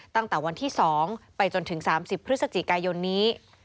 ตั้งแต่วันที่๒ไปจนถึง๓๐พฤศจิกายนนี้